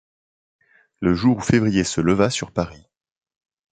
Le jour où Février se leva sur Paris